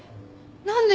何で？